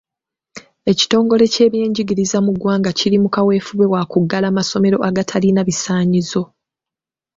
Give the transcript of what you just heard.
Ekitongole ky’ebyenjigiriza mu ggwanga kiri ku kaweefube wa kuggala masomero agatalina bisaanyizo.